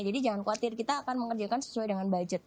jadi jangan khawatir kita akan mengerjakan sesuai dengan budget